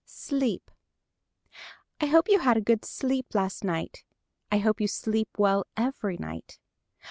"_ SLEEP I hope you had a good sleep last night. I hope you sleep well every night.